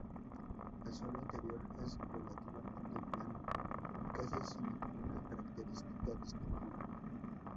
El suelo interior es relativamente llano y casi sin ninguna característica distintiva.